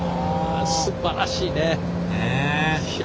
すばらしいね。